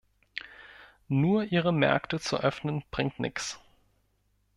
Nur Ihre Märkte zu öffnen bringt nichts.